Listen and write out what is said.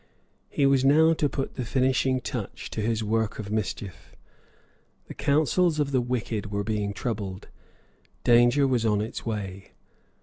He was now to put the finishing touch to his work of mischief. The councils of the wicked were being troubled. Danger was on its way.